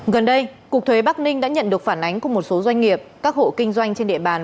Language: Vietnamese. gần đây cục thuế bắc ninh đã nhận được phản ánh của một số doanh nghiệp các hộ kinh doanh trên địa bàn